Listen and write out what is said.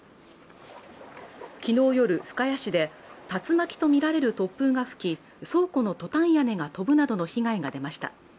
昨日夜、深谷市で竜巻とみられる突風が吹き、倉庫のトタン屋根が飛ぶなどの被害が出ました。